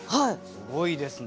すごいですね。